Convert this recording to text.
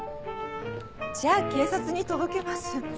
じゃあ警察に届けます。